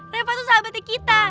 reva tuh sahabatnya kita